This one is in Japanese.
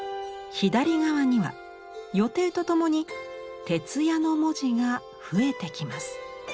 左側には予定とともに「徹夜」の文字が増えてきます。